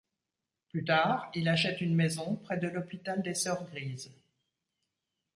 Plus tard, il achète une maison près de l'hôpital des sœurs grises.